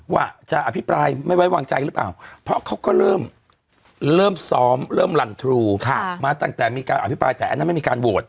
ว่าจะอภิปรายไม่ไว้วางใจหรือเปล่าเพราะเขาก็เริ่มเริ่มซ้อมเริ่มลันทรูมาตั้งแต่มีการอภิปรายแต่อันนั้นไม่มีการโหวต